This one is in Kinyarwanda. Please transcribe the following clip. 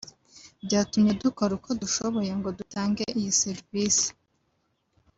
byatumye dukora uko dushoboye ngo dutange iyi serivisi